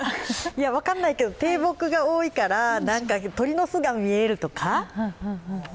分からないけど低木が多いから鳥の巣が見えるとか？